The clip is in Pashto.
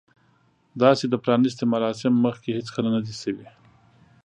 داسې د پرانیستې مراسم مخکې هیڅکله نه دي شوي.